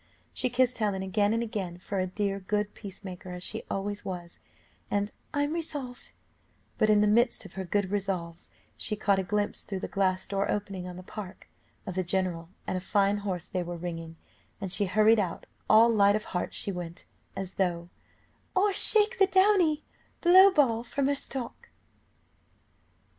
She kissed Helen again and again, for a dear, good peacemaker, as she always was and "I'm resolved" but in the midst of her good resolves she caught a glimpse through the glass door opening on the park, of the general, and a fine horse they were ringing, and she hurried out: all light of heart she went, as though "Or shake the downy blowball from her stalk."